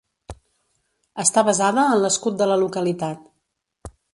Està basada en l'escut de la localitat.